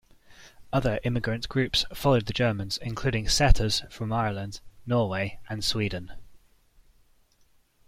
Other immigrant groups followed the Germans including setters from Ireland, Norway and Sweden.